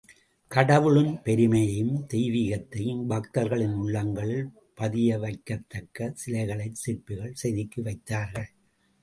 கடவுளின் பெருமையையும், தெய்வீகத்தையும் பக்தர்களின் உள்ளங்களில் பதிய வைக்கத்தக்க சிலைகளைச் சிற்பிகள் செதுக்கி வைத்தார்கள்.